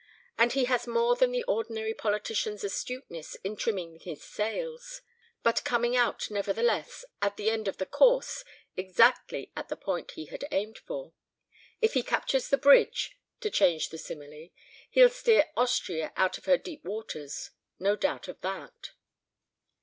And he has more than the ordinary politician's astuteness in trimming his sails; but coming out, nevertheless, at the end of the course exactly at the point he had aimed for. If he captures the bridge, to change the simile, he'll steer Austria out of her deep waters. No doubt of that."